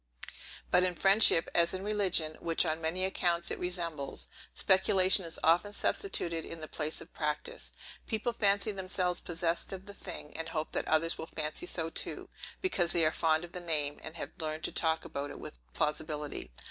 But in friendship, as in religion, which on many accounts it resembles, speculation is often substituted in the place of practice. People fancy themselves possessed of the thing, and hope that others will fancy so too, because they are fond of the name, and have learned to talk about it with plausibility.